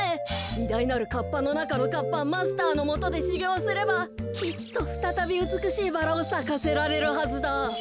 いだいなるカッパのなかのカッパマスターのもとでしゅぎょうすればきっとふたたびうつくしいバラをさかせられるはずだ。